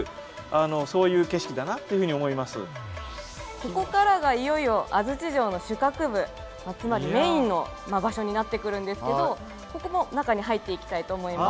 ここからがいよいよ安土城の主郭部つまりメインの場所になってくるんですけどここも中に入っていきたいと思います。